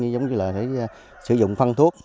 giống như là sử dụng phân thuốc